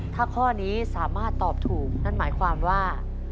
ถ้าข้อนี้สามารถตอบถูกนั่นหมายความว่า